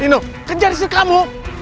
dino kejar disini kamu